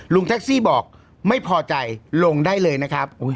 แท็กซี่บอกไม่พอใจลงได้เลยนะครับ